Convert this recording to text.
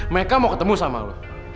meka mau ketemu sama lo